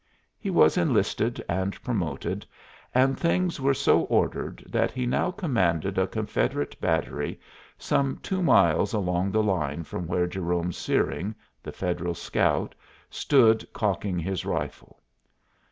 He was enlisted and promoted, and things were so ordered that he now commanded a Confederate battery some two miles along the line from where Jerome Searing, the Federal scout, stood cocking his rifle.